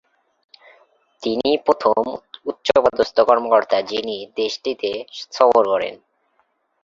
তিনিই প্রথম উচ্চপদস্থ কর্মকর্তা যিনি দেশটিতে সফর করেন।